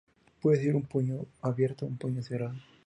Puede ser un puño abierto o un puño cerrado.